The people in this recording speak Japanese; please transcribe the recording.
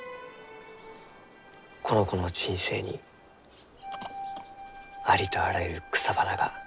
この子の人生にありとあらゆる草花が咲き誇るように。